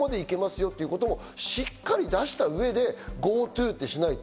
よってこともしっかり出した上でＧｏＴｏってしないと。